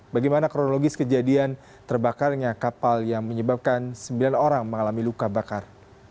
bagaimana kronologis kejadian terbakarnya kapal yang menyebabkan sembilan orang mengalami luka bakar